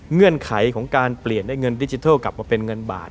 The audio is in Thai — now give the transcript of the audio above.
เงื่อนไขของการเปลี่ยนได้เงินดิจิทัลกลับมาเป็นเงินบาท